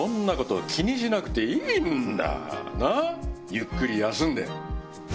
ゆっくり休んで。